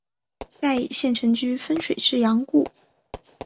盖以县城居汾水之阳故。